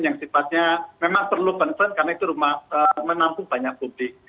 yang sifatnya memang perlu concern karena itu rumah menampung banyak publik